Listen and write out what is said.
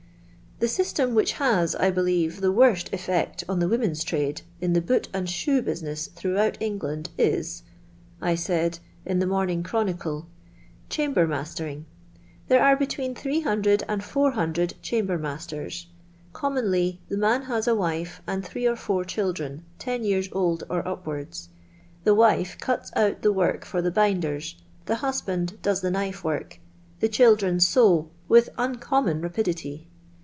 " The system which has, I believe, the worst effect on the women's trade in the boot and shoe bnsineu thronghout England is," I said in the Morning Chronicle, "chamber mastering. There are between 800 and 400 chamber masters. Com monly the man has ^wife, and three or four chil dren, ten years old or upwards. The wife cuts out the work for the binders, the husband does the knife work, the children sew with uncommon rapidity.